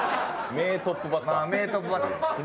名トップバッターです。